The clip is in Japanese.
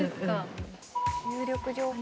有力情報。